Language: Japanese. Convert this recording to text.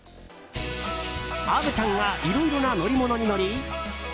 虻ちゃんがいろいろな乗り物に乗り